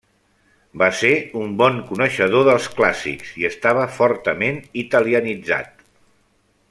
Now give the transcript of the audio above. Va ser un bon coneixedor dels clàssics i estava fortament italianitzat.